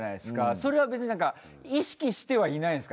それはべつになんか意識してはいないんすか？